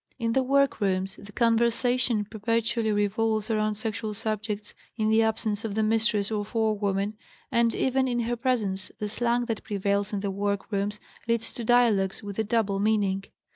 In the work rooms the conversation perpetually revolves around sexual subjects in the absence of the mistress or forewoman, and even in her presence the slang that prevails in the work rooms leads to dialogues with a double meaning.